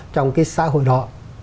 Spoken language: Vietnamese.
trong cái xã hội đó